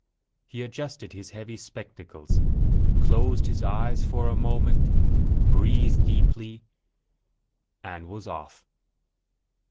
He adjusted his heavy spectacles, closed his eyes for a moment, breathed deeply, and was off.